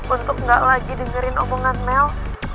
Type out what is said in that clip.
untuk nggak lagi dengerin omongan mel